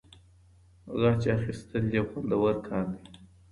غچ اخیستل یو خوندور کار دی.